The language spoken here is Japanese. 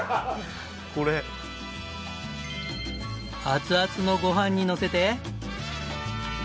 熱々のご飯にのせて。